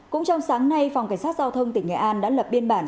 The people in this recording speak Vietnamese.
cũng trong sáng nay phòng cảnh sát giao thông tỉnh nghệ an đã lập biên bản